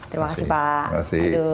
terima kasih pak